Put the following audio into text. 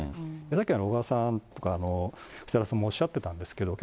さっきの小川さんとか、さんもおっしゃってたんですけれども、